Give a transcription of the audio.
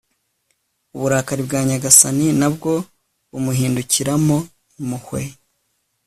uburakari bwa nyagasani na bwo bumuhindukiramo impuhwe